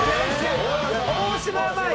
大島麻衣